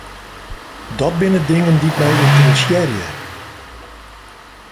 Dat binne dingen dy't my ynteressearje.